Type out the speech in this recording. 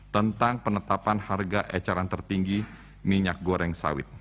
tentang penetapan harga ecaran tertinggi minyak goreng sawit